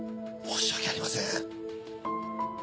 申し訳ありません。